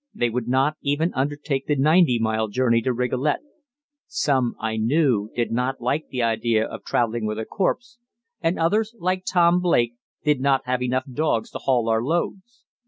They would not even undertake the ninety mile journey to Rigolet. Some, I knew, did not like the idea of travelling with a corpse, and others, like Tom Blake, did not have enough dogs to haul our loads.